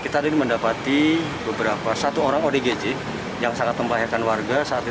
terlebih pada malam hari